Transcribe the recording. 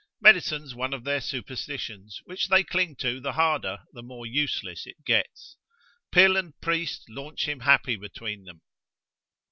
Medicine's one of their superstitions, which they cling to the harder the more useless it gets. Pill and priest launch him happy between them.